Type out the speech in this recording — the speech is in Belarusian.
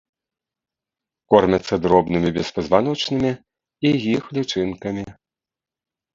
Кормяцца дробнымі беспазваночнымі і іх лічынкамі.